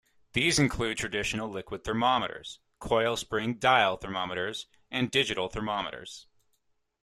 These include traditional liquid thermometers, coil spring "dial" thermometers and digital thermometers.